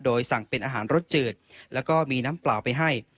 โดยสั่งเป็นอาหารรสจืดแล้วก็มีน้ำเปล่าไปให้